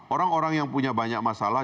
orang orang yang punya banyak masalah